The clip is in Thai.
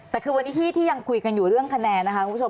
แต่คือวันนี้ที่ยังคุยกันอยู่เรื่องคะแนนนะคะคุณผู้ชม